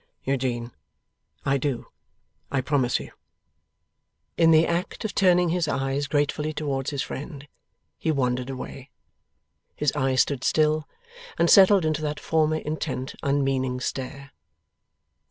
'Eugene, I do. I promise you!' In the act of turning his eyes gratefully towards his friend, he wandered away. His eyes stood still, and settled into that former intent unmeaning stare.